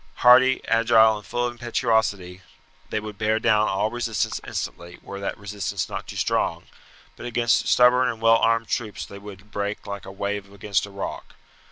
Hardy, agile, and full of impetuosity, they would bear down all resistance instantly, were that resistance not too strong; but against stubborn and well armed troops they would break like a wave against a rock.